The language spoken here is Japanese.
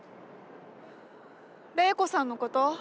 麗子さんのこと？